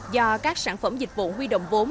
do các sản phẩm dịch vụ huy động vốn